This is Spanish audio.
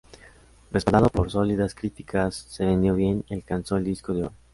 Respaldado por sólidas críticas se vendió bien y alcanzó el disco de oro.